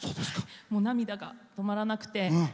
涙が止まらなくて。